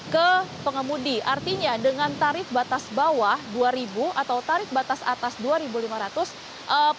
ke pengemudi artinya dengan tarif batas bawah rp dua atau tarif batas atas rp dua lima ratus